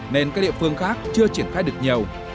nên các địa phương khác chưa triển khai được nhiều